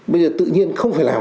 bây giờ tự nhiên không phải làm